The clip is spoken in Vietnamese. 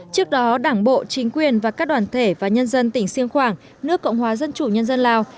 trước đó đảng bộ chính quyền và các đoàn thể và nhân dân tỉnh siêng khoảng nước cộng hòa dân chủ nhân dân lào